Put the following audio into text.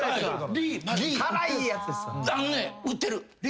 売ってる。